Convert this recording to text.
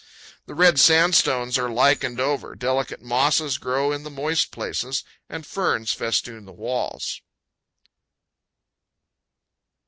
The red sandstones are lichened. over; delicate mosses grow in the moist places, and ferns festoon the walls.